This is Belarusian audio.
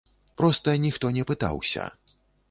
Проста ніхто не пытаўся.